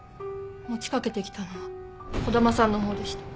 持ちかけてきたのは児玉さんのほうでした。